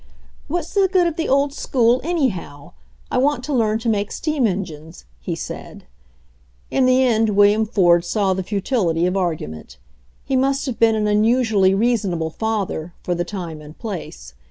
"What's the good of the old school, anyhow? I want to learn to make steam engines," he said. In the end William Ford saw the futility of ar gument. He must have been an unusually rea sonable father, for the time and place.